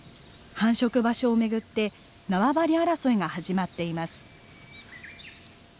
繁殖場所をめぐって縄張り争いが始まっています。